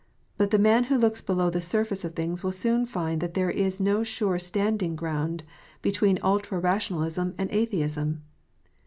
But the man who looks below the surface of things will soon find that there is no sure standing ground between ultra Rationalism and Atheism.